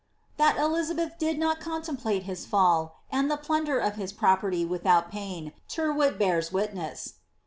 That Elizabeth did not contemplate his fall, and the plunder of his pro perty without pain Tyrwhit bears witness.